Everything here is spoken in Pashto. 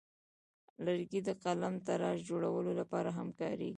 لرګی د قلمتراش جوړولو لپاره هم کاریږي.